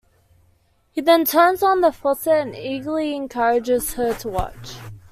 He then turns on the faucet and eagerly encourages her to watch.